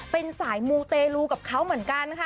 เป็นสายมูเตลูกับเขาเหมือนกันค่ะ